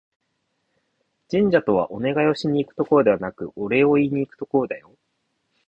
神社とは、お願いをしに行くところではなくて、お礼を言いにいくところだよ